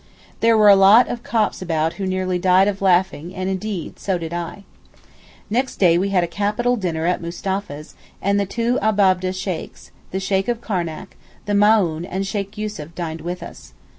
There were a lot of Copts about who nearly died of laughing and indeed so did I. Next day we had a capital dinner at Mustapha's, and the two Abab'deh Sheykhs, the Sheykh of Karnac, the Maōhn and Sheykh Yussuf dined with us.